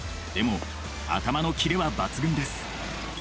でも頭のキレは抜群です。